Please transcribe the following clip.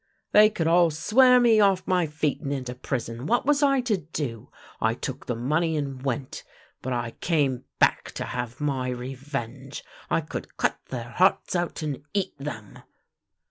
They could all swear me off my feet and into prison — what was I to do? I took the money and went. But I came back to have my revenge. I could cut their hearts out and eat them."